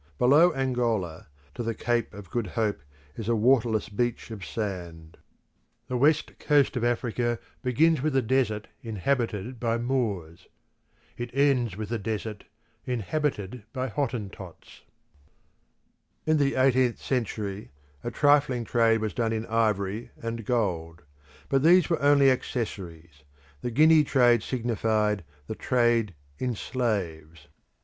Below Angola, to the Cape of Good Hope, is a waterless beach of sand. The west coast of Africa begins with a desert inhabited by Moors; it ends with a desert inhabited by Hottentots. The Slave Trade In the eighteenth century, a trifling trade was done in ivory and gold; but these were only accessories; the Guinea trade signified the trade in slaves.